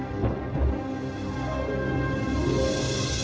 sekarang kamu kesini lebih jauh lagi mighty